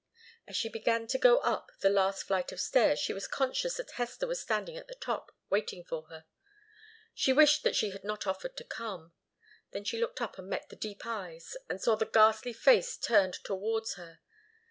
As she began to go up the last flight of stairs she was conscious that Hester was standing at the top, waiting for her. She wished that she had not offered to come. Then she looked up and met the deep eyes, and saw the ghastly face turned towards her.